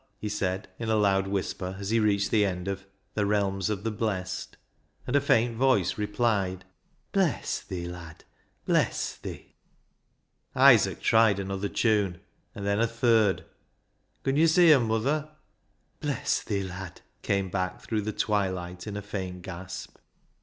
he said, in a loud whisper, as he reached the end of " The realms of the blest," and a faint voice replied —" Bless thi, lad ! Bless thi !" Isaac tried another tune, and then a third. " Con yo' see 'em, muther ?"" Bless thi, lad !" came back through the twilight in a faint gasp.